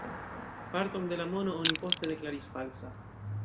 Parton de la mono oni poste deklaris falsa.